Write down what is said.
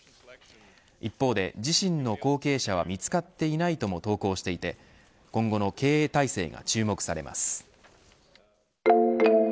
一方で、自身の後継者は見つかっていないとも投稿していて今後の経営体制が注目されます。